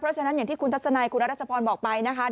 เพราะฉะนั้นอย่างที่คุณทัศนัยคุณรัชพรบอกไปนะคะ